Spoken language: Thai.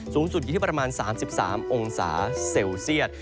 สูงสุดอยู่ที่ประมาณ๓๓องศาเซลเซียต